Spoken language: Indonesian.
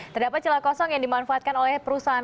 terdapat celah kosong yang dimanfaatkan oleh perusahaan